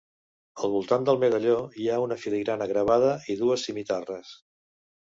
Al voltant del medalló hi ha una filigrana gravada i dues simitarres.